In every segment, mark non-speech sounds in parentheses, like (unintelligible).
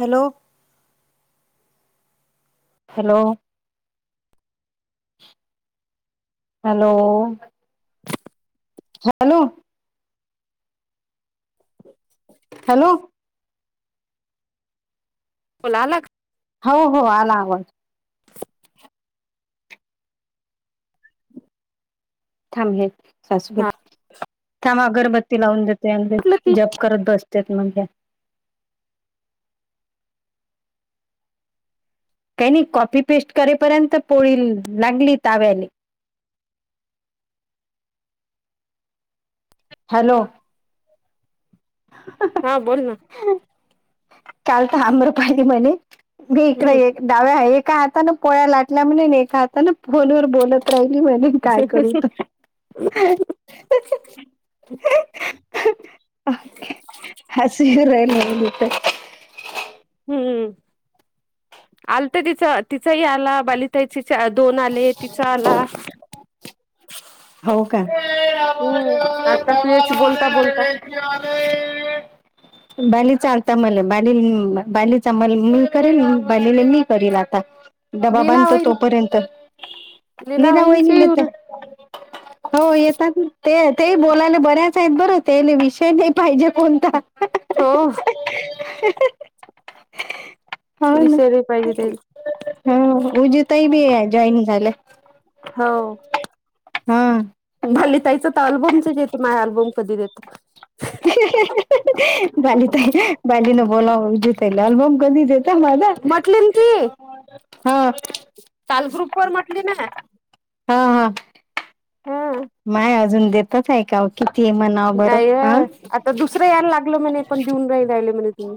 Hello hello, hello. झालू (inaudible) hello. ओला लाग हो हो आला आवाज. थांबले सासू हा थांब अगरबत्ती लावून देते आणि जप करत बस त्यात म्हणत्या काही नाही कॉपी पेस्ट करेपर्यंत पोळी लागली तव्याले. हॅलो. ह हा बोल ना. चालत आम्रपाली म्हणे बी इकड हम्म येत डाव्या एका हातानं पोळ्या लाटल्या म्हणे, एका हातानं फोनवर बोलत राहिली म्हणे. काय करू त असे ही राहिले लोकं. हम्म आलतं तिचं तिचही आला बाली ताईची चे दोन आले, तिचा आला. हो का हम्म, आता तुझ्याशी बोलता बोलता. (inaudible) बालीचा आता मल बाली बालीचा मल मी करेल बालीले मी करील आता. डबा लीना बांधतो वहिनी तोपर्यंत लीना निना वहिनीचे वहिणीला उर येतं. हो येतात ते ते बोलायला बऱ्याच आहेत बरं ते विषय नाही पाहिजे कोणता. हो हो ना. विसरली पाहिजे ते हं ऊजा ताईबी हाय, जॉइनिंग झालंय. हो. हा भले ताईचं तर अल्बमच येथे माझ अल्बम कधी देते? बाली त बाली न बोलाओ (unintelligible) ते अल्बम कधी देता मला? म्हटले ना ती हा. काल ग्रुपवर म्हटली ना हा, हा. हा. माय अजून देतच आहेका ओ किती मन नाहीय, आता दुसरं यायला लागलं म्हणे पण देऊन नाही राहिले म्हणे तुम्ही.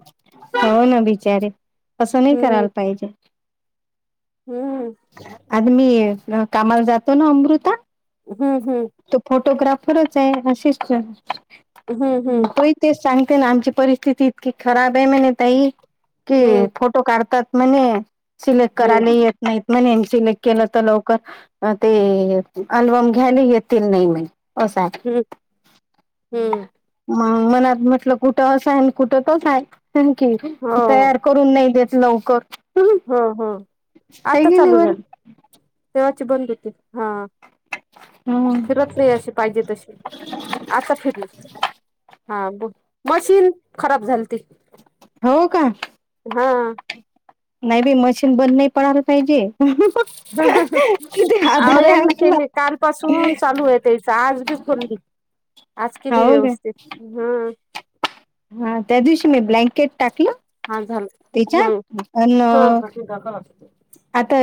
हो ना बिचारे असं नाही हम्म करायला पाहिजे. हम्म. आज मी कामाला जातो ना अमृता हम्म हम्म. तो फोटोग्राफरच आहे असिस्टंट. हम्म हम्म हम्म तो इथ ते सांगते ना. आमची परिस्थिती इतकी खराब आहे म्हणे ताई, हम्म की फोट तो काढतात म्हणे. सिलेक्ट करायला हम्म ये नाहीत म्हणे आणि सिलेक्ट केलं तर लवकर अ ते अल्बम गेले येतील नाही म्हणे असा. हं हम्म. मग मनात म्हटलं कुठं असं आहे आणि कुठ तसं आहे. सांग की हो तयार करून नाही देत लवकर. आहे हो हो, आता की नाही चालू बरं झालं. तेव्हाची बंद होती, हा. फिरत नाही अशी पाहिजे तशी, आता फिरली. हा बोल, मशीन खराब झालती. हो का. हां. नाही बाई मशीन बंद नाही पडालं पाहिजे. किती अहो आधार आहे यांना अंगाला केली, काल पासून चालू हायत. तेच आजबी खोलली, आज केली हो का व्यवस्थित हा. हा त्या दिवशी मी ब्लँकेट टाकलं. हा झालं. हं त्याच्यात अन हो. आता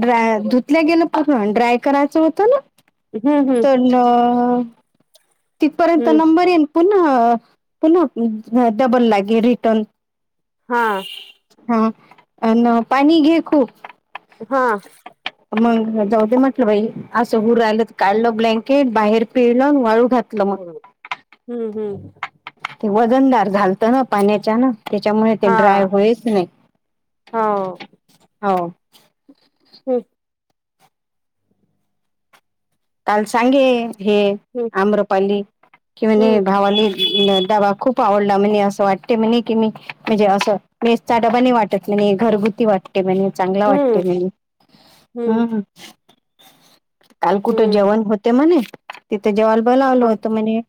ड्रा धुतल्या गेलं (unintelligible) ड्राय करायचं होतं ना. हम्म हम्म (unintelligible) तिथपर्यंत हम्म नंबर येन. पुन्हा पुन्हा डबल लागे रिटर्न. हां. हं, अन पाणी घे खूप. हां. मग जाऊ देे म्हटलं बाई असं हु राहिलं तर काढलं ब्लँकेट बाहेर पिळलं आणि वाळू घातलं. मग हम्म हम्म. ते वजनदार झालतं ना पाण्याच्यानं. त्याच्यामुळे ते हा ड्राय होयत नाही हो. हं. काल सांगे हे हम्म आम्रपाली, की म्हणे हम्म भावाले डबा खूप आवडला म्हणे. असं वाटते म्हणे, की मी म्हणजे असं मेसचा डबा नाही वा चटणी घरगुती वाटते म्हणे, चांगला हम्म वाटते म्हणे. हम्म हं हं. कुठं हम्म जेवाण होते म्हणे. तिथं जेवाल बोलावल हा होतं म्हणे,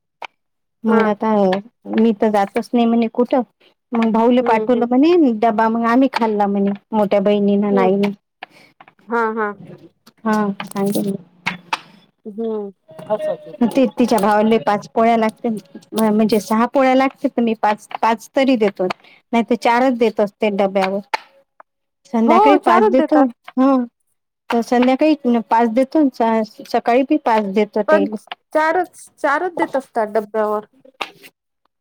हा मग आता मी तर जातच नाही म्हणे कुठं, मग भाऊले हम्म पाठवलं हम्म म्हणे मी. डबा मग आम्ही खाल्ला म्हणे. मोठ्या बहिणी हम्म नाही म्हणे, हा हा हा सांगते म्हणे. हम्म (inaudible) भावले पाच पोळ्या लाटते ना. म्हणजे सहा पोळ्या लागते, तर मी पाच पाच तरी देतो. नाही त चारच देत असते डब्यावर हो संध्याकाळी पाच चारच देतो. देतात हम्म तर संध्याकाळी न पाच देतो सकाळी भी पाच दे पण चारच चारच देत असतात डब्यावर.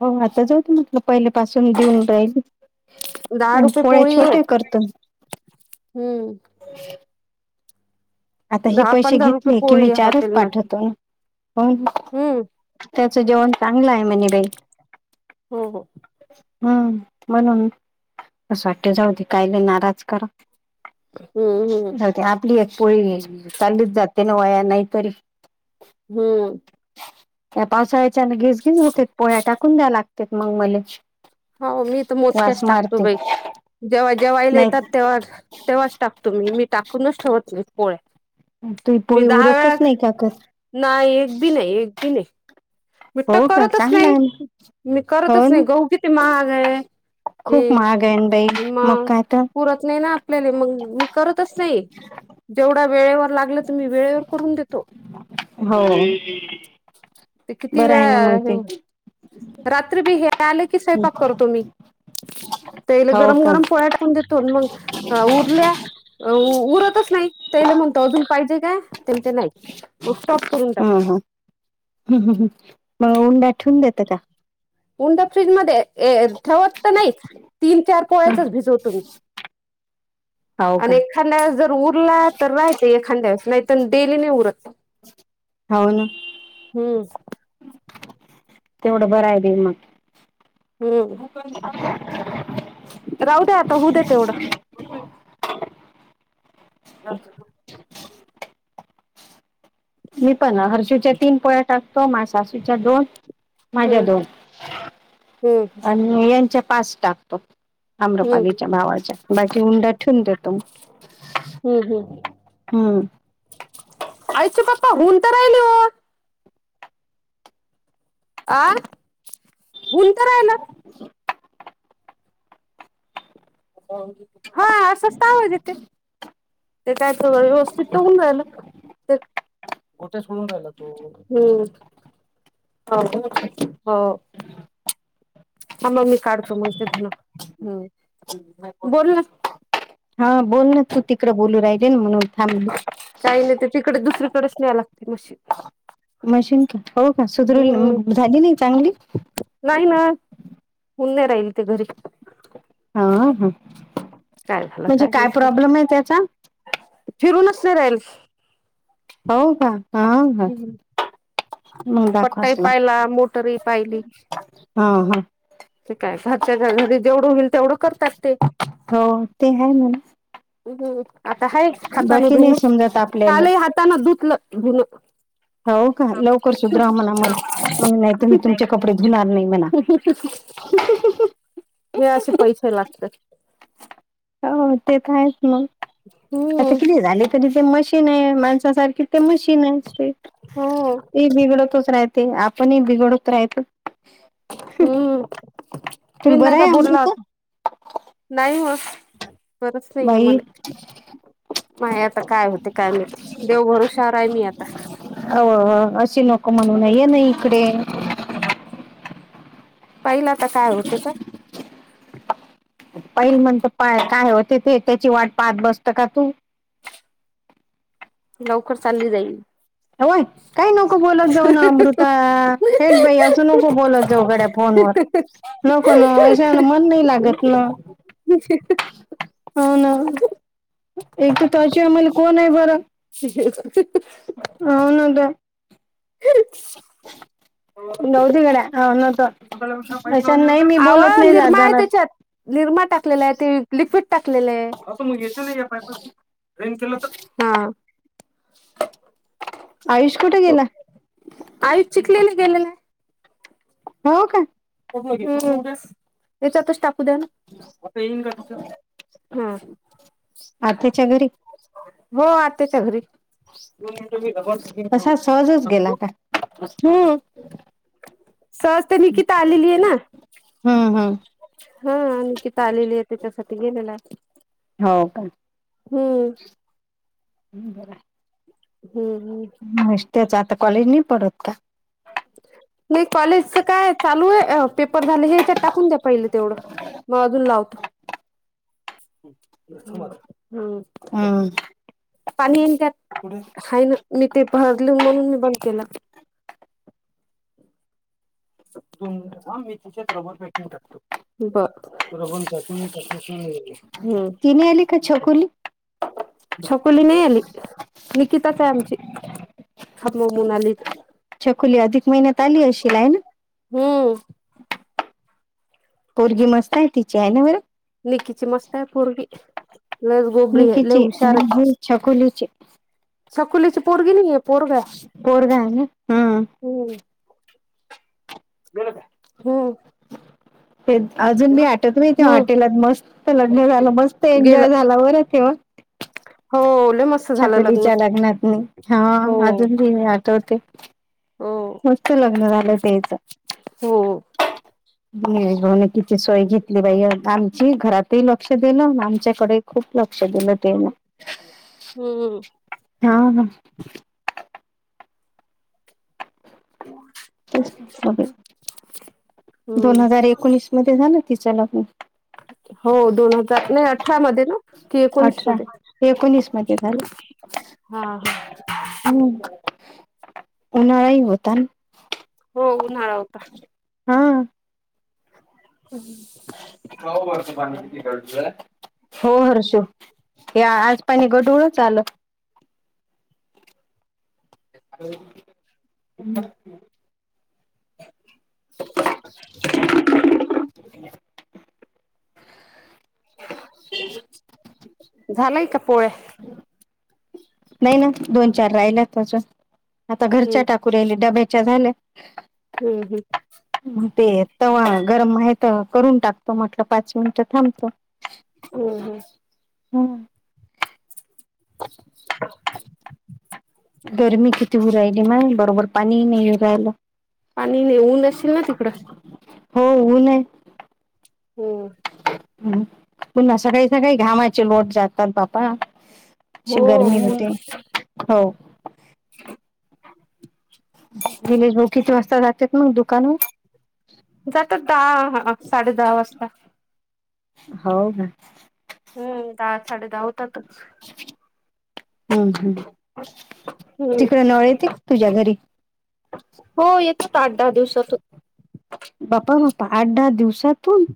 हो आता जाऊत मत तो पहिले पासून देऊन राहीली दहा आणि रुपये पोळ्या पोळी आहे छोट्या करतो मी. हम्म. (unintelligible) आता हे दहा पैसे पंधरा रुपये घेतले, की मी पोळी आहे चारच हॉटेलमध्ये पाठवतो. हम्म हम्म त्याचं जेवण चांगलं आहे म्हने बार्ई. हो हो. हम्म म्हणून असं वाटते जाऊ दे कायले नाराज करा. हम्म हम्म जाऊदे आपली एक चाल्लीच जाते ना वाया नाहीतरी हम्म. या पावसाळ्याच्यान घीसघीस होत पोळ्या टाकून द्याव लागत मग मले. हो मी तर मोजक्याच वास टाकतो मारते बाई जेव्हा जेवाईला येतात नाही तेव्हा तेव्हाच टाकतो मी मी टाकूनच ठेवत नाही पोळ्या. तूई पोळी उरतच नाही काकर. नाय एक बी नाही एक बी नाही. मी त हो का करतच चांगला नाही आहे ना. मी हो करतच ना नाही गहू किती महाग आहे. खूप हे महाग आहे ना बाई मग काय तर पुरत नाही ना आपल्या मग मी करतच नाही जेवढा वेळेवर लागलं तर मी वेळेवर करून देतो. हो ते किती बरं वेळा ना आहे ते मग? रात्री भी हे आले की स्वयंपाक करतो मी त्याला हो गरम का गरम पोळ्या टाक कुन देतो मग आ उरल्या. अ उ उरतच नाही त्याला म्हणतो अजून पाहिजे काय ते म्हणते नाही. उत्सात हम्म हम्म मग ऊंडा ठेवून देतं का? उंडा फ्रीजमध्ये आहे. अ ठेवत पण नाही तीन-चार पोळ्याचच भिजवतो मी. हो का आणि एखांद्या वेळेस जर उरला तर राहाते एखांद्या वेळेस नाहीतर डेली नाही उरत. ह्म हम्म. तेवढं बरं आहे‌ दिमाग. हम्म राहू द्या आता होऊ द्या तेवढं. (unintelligible) रात्री पुत मी पण हर्षीच्या तीन पोळ्या टाकतो माय सासूच्या दोन माझ्या हम्म दोन हम्म आणि यांच्या पाच टाकतो. हम्म आम्रपालीच्या भावाच्या बाकी उंडा ठेवून देतो. हम्म हम्म. हम्म. आयूष चे पप्पा हूऊन तरायली हो. आ होऊन तरायला. हा असच तर आवाज येते. ते त्याच्याकडे व्यवस्थित तवून राहिलं. कोठ्या सोडून राहिला तो हम्म. (unintelligible) हो. थांबा मी काढतो मग ते धुना हम्म बोल ना. हा बोल ना तू तिकडं बोलू राहिली ना म्हणून थांबली. काही नाही ते तिकडे दुसरीकडेच न्या लागते मशीन. मशीन का हो का सुधरेलना हम्म मग झाली नाही चांगली? नाही ना हुउना राहील ते घरी. हा ह काय झालं म्हणजे नाही काय प्रॉब्लेम आहे त्याचा? फिरूनच नाही राहील हो का? हा हा मग पट्टा ही दाखवाच लागत पाहिला मोटर इ पाहिली हा हा ते काय सात सी हजारी जेवढं होईल तेवढं करतात ते हो ते आहे ना आता ह हाताने नाही धुण समजत आपल्याले कालही हाताानं धुतलं धुण. हो का लवकर सुधराव म्हणा मग मग नाही तुम्ही तुमच्या कपडे धुणार नाही मणा (unintelligible) हे असे पैसे लागतात हो ते का आहेच मग हम्म आता किती झाले? तरी जे मशीन आहे माणसासारखी ते मशीन आहे ते हो ते बिघडतच राहते आपणही बिघडत राहत. हम्म तुला बरं विंदता आहे बोलला अमृता होता नाही व पर नाही आहे बाई मला माय आता काय होते काय माहिती, देव भरोश्यावर आहे मी आता. अ असशी नोक म्हणूनये ना इकडे पाहिलं आता काय होतंय तर पहिल म्हणत काय होते ते त्याची वाट पाहत बसतं का तू? लवकर चालली जाईल होय काही नको बोलत जाऊ ना अमृता हेेट भाई असू नको बोलत जाऊ घड्या फोनवर लको नाजन मन नाही लागत ना (unintelligible) हो ना एक तर तची आमला कोण आहे बरं? (unintelligible) हो ना ता जाऊ दे गड्या हो ना तर अशा नाही मी बोलत अहो नाही जात निर्मा आहे जाणार त्याच्यात निरमा टाकलेला आहे ते लिक्विड टाकलेलं आहे. हा आयुष कुठ गेला? आयुचीक हो का? हम्म याचा तच टाकू द्या ना. हम्म आत्याच्या घरी हो आत्याच्या घरी तसा सहजच गेला का? हम्म सहज तेनी त्ता आलेली आहे ना हम्म हम्म. हो अंकिता आलेली आहे, त्याच्यासाठी गेलेला आहे हो का हम्म बरंय हम्म हम्म नाश्त्याच कॉलेज नाही पढत का? नाही कॉलेजचं काय चालू आहे पेपर झालं हेच्यात टाकून द्या पहिले तेवढं मग अजून लावतो (inaudible) हम्म अं पाणी येन त्यात कुठेय हाय ना मी ते भरल म्हणून मी बंद केलं. त ह मी तिच्यातरोबर पॅकिंग टकतो बर. तुला कोण (unintelligible) हम्म ती नाही आली का छकुली? छप कुली नाही आली निकिताच आहे आमची खा मोमून आली. छकुली अधिक महिन्यात आली अशील हाय ना. हम्म. पोरगी मस्त आहे तिची आहे ना बरं. निकिची मस्त आहे पोरगी. लयचं गोबरीये लय निकीची हुशारयं आणि छकुलीची छकुलीची पोरगी नाहीये. पोरग आहे पोरगं हाय ना हम्म. हम्म गेल का? हम. ते अजून मी आठत नाही त्या हम्म हॉटेलात मस्त लग्न झालं मस्त गेलं एन्जॉय झाला बरं त्यो. हो लई मस छकुलीच्या लग्नातनी हा हो अजून बी मी आठवते. हो मस्त लग्न झालं तेच हो निलेश भाऊनं कि सोय घेतली बाई आमची घरातही लक्ष दिलं अन आमच्याकडे खूप लक्ष दिलं तेला हम्म हा ना. तेच बघ (inaudible) दोन हम्म हजार एकोणीस मध्ये झालं तिचं लग्न. हो दोन हजार नाही अठरा मध्ये ना की एकोणीस अठरा मध्ये. एकोणीस मध्ये झालं हा हा. हम्म उन्हाळाही होता ना. हो उन्हाळा होता. हा. हम्म. का ओ वरचं पाणी किती गडतय. हो हर्ष हे आज पाणी गडूळचं आलं हम्म. (inaudible) झालाय का पोळ्या. नाही ना दोन चार राहिल्यात अजून आता हम्म घरच्या टाकू राहिले डब्याच्या झाल्या. हम्म हम्म. मग ते तवा गरम आहे तर करून टाकतो म्हटलं पाच मिनिटं थांबतो. हं हं. हम्म. (inaudible) गरमी किती होऊ राहिली माय बरोबर पाणीही नाही राहिलं. आणि नाई ऊन अशील ना तिकडं. हो ऊनयं. हम्म. पुन्हा सकाळी सकाळी घामाचे लोट जातात बापा. हो अशी गरमी ऊन होते हो. (inaudible) निलेश भाऊ किती वाजता जातेत मंग दुकानवर? जात दहा ह साडे दहा वाजता. होव ना. हम्म दहा साडे दहा होतातचं. हम्म हं हम्म तिकडे नळ येते का तुझ्या घरी? हो येतात आठ दहा दिवसातून. बाप्पा बाप्पा आठ दहा दिवसातून.